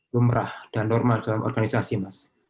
lumrah dan normal dalam organisasi mas